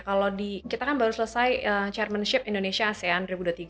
kalau kita kan baru selesai chairmanship indonesia asean dua ribu dua puluh tiga